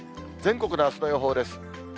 全国のあすの予報です。